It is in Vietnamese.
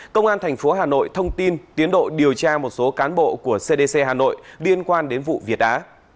công an tp hà nội thông tin tiến độ điều tra một số cán bộ của cdc hà nội liên quan đến vụ việt á